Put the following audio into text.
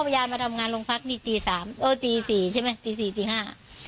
พยายามมาทำงานโรงพักนี่ตีสามเออตีสี่ใช่ไหมตีสี่ตีห้า